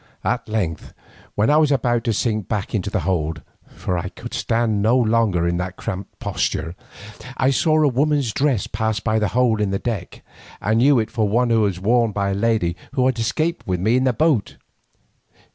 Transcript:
At length when I was about to sink back into the hold, for I could stand no longer in that cramped posture, I saw a woman's dress pass by the hole in the deck, and knew it for one that was worn by a lady who had escaped with me in the boat.